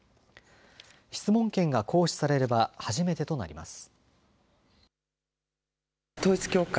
質問権が行使されれば初めてとなります。